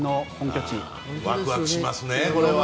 ワクワクしますね。